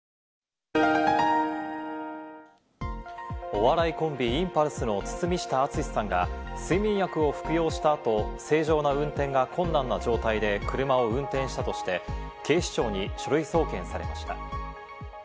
お笑いコンビ、インパルスの堤下敦さんが睡眠薬を服用したあと、正常な運転が困難な状態で車を運転したとして警視庁に書類送検されました。